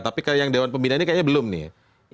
tapi ke yang dewan pembina ini kayaknya belum nih